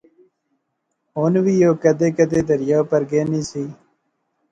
ہن وی او کیدے کیدے دریا اپر گینی سی